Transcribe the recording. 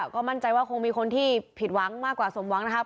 ก็มั่นใจว่าคงมีคนที่ผิดหวังมากกว่าสมหวังนะครับ